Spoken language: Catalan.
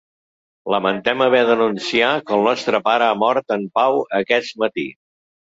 Lamentem haver d’anunciar que el nostre pare ha mort en pau aquest matí.